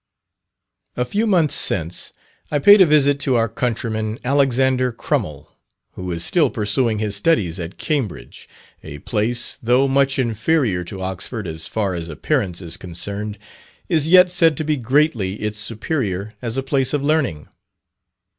A few months since, I paid a visit to our countryman, Alexander Crummel, who is still pursuing his studies at Cambridge a place, though much inferior to Oxford as far as appearance is concerned, is yet said to be greatly its superior as a place of learning.